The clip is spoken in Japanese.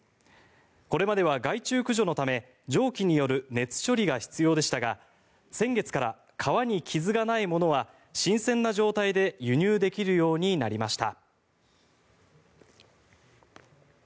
これまでは害虫駆除のため蒸気による熱処理が必要でしたが先月から、皮に傷がないものは新鮮な状態で輸入できるようになりました。